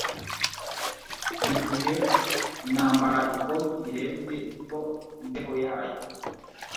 Buri gihe nambara ikoti rirenze iyo imbeho yayo.